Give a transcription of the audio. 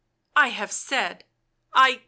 u I have said. I .